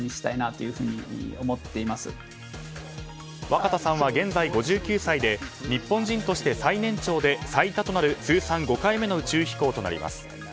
若田さんは現在、５９歳で日本人として最年長で最多となる通算５回目の宇宙飛行となります。